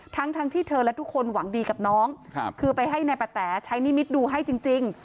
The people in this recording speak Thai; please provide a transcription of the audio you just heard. ทั้งทั้งที่เธอและทุกคนหวังดีกับน้องคือไปให้นายปะแต๋ใช้นิมิตดูให้จริง